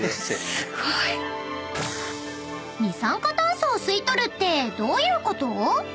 ［二酸化炭素を吸い取るってどういうこと？］